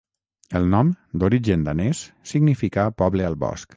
El nom, d'origen danès, significa poble al bosc.